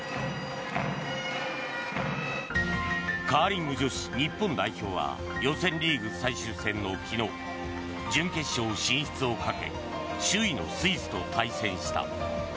カーリング女子日本代表は予選リーグ最終戦の昨日準決勝進出をかけ首位のスイスと対戦した。